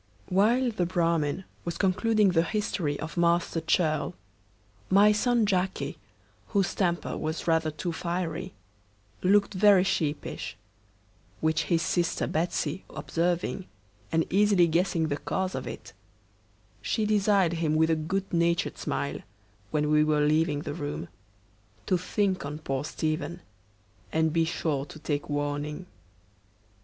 While the Bramin was concluding the history of Master Churl, my son Jackey, whose temper was rather too fiery, looked very sheepish; which his sister Betsey observing, and easily guessing the cause of it, she desired him with a good natured smile, when we were leaving the room, to think on poor Stephen, and be sure to take warning.